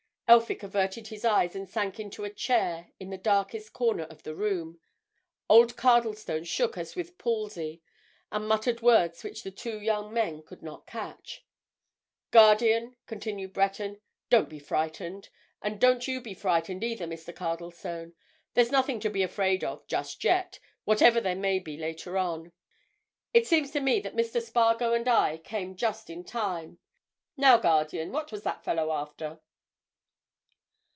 Elphick averted his eyes and sank into a chair in the darkest corner of the room: old Cardlestone shook as with palsy and muttered words which the two young men could not catch. "Guardian," continued Breton, "don't be frightened! And don't you be frightened, either, Mr. Cardlestone. There's nothing to be afraid of, just yet, whatever there may be later on. It seems to me that Mr. Spargo and I came just in time. Now, guardian, what was this fellow after?"